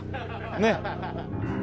ねえ。